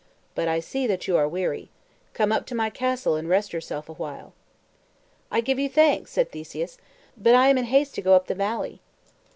But I see that you are weary. Come up to my castle, and rest yourself awhile." "I give you thanks," said Theseus; "but I am in haste to go up the valley."